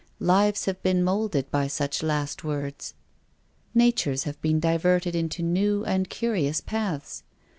Lives have been moulded by such last words. Natures have been diverted into new and curious paths.